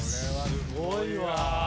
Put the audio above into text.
すごいわ。